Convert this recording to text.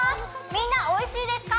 みんな、おいしいですか？